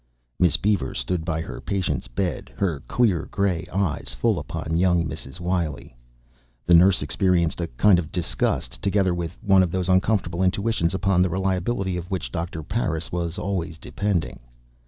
Miss Beaver stood by her patient's bed, her clear gray eyes full upon young Mrs. Wiley. The nurse experienced a kind of disgust, together with one of those uncomfortable intuitions upon the reliability of which Doctor Parris was always depending.